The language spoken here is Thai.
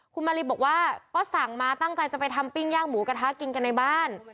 คุณมาริบอกว่าก็สั่งมาตั้งใจจะไปทำปิ้งย่างหมูกระทะกินกันในบ้าน